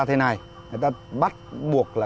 thế này người ta bắt buộc là